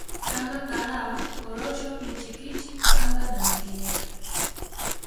kama Kahawa Korosho michikichi Pamba na mengineyo